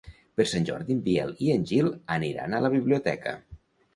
Per Sant Jordi en Biel i en Gil aniran a la biblioteca.